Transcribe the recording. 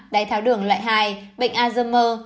đáy tháo đường loại hai bệnh alzheimer